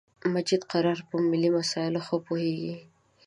مجید قرار په ملی مسایلو خه پوهه دی